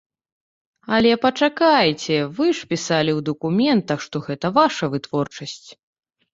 Але пачакайце, вы ж пісалі ў дакументах, што гэта ваша вытворчасць?